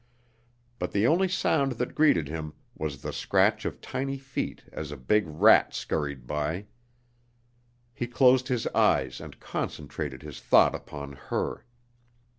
But the only sound that greeted him was the scratch of tiny feet as a big rat scurried by. He closed his eyes and concentrated his thought upon her.